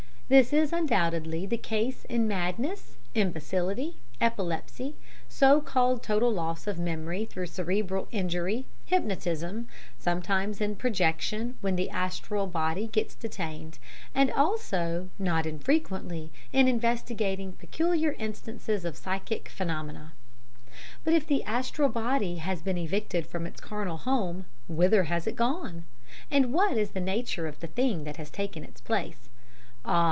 This is undoubtedly the case in madness, imbecility, epilepsy, so called total loss of memory through cerebral injury, hypnotism, sometimes in projection when the astral body gets detained, and also not infrequently in investigating peculiar instances of psychic phenomena. But if the astral body has been evicted from its carnal home, whither has it gone? and what is the nature of the thing that has taken its place? Ah!